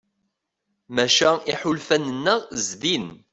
Maca iḥulfan-nneɣ zdin.